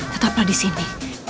tetaplah di sini